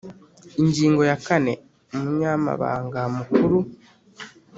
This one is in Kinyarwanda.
Ingingo ya kane Umunyamabanga Mukuru